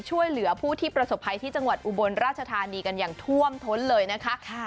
ช่วยเหลือผู้ที่ประสบภัยที่จังหวัดอุบลราชธานีกันอย่างท่วมท้นเลยนะคะ